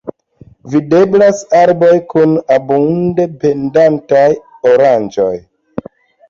Videblas arboj kun abunde pendantaj oranĝoj.